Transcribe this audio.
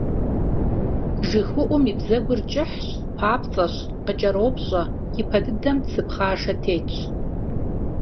ЖыгыуӀум и бзэгур кӀыхыц, папцӀэщ, къыкӀэропщӀэ, и пэ дыдэм цы пхъашэ тетщ.